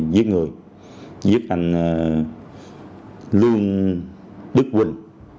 giết người giết anh lương đức quỳnh